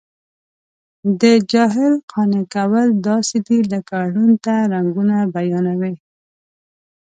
د جاهل قانع کول داسې دي لکه ړوند ته رنګونه بیانوي.